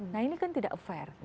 nah ini kan tidak fair